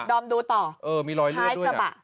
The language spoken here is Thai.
ดอมดูต่อท้ายกระบะมีรอยเลือดด้วย